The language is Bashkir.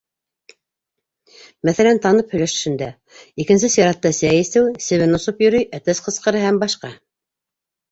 Мәҫәлән, Танып һөйләшендә: икенсе сиратта, сәй эсеү, себен осоп йөрөй, әтәс ҡысҡыра һәм башҡа